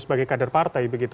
sebagai kader partai